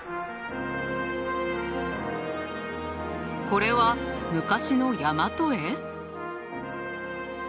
これは昔の大和絵？